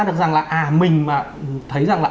được rằng là à mình mà thấy rằng là